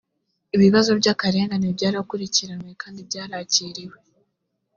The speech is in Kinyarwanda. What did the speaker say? ibibazo by’akarengane byakurikiranywe kandi byarakiriwe